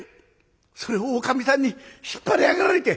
「それをおかみさんに引っ張り上げられて。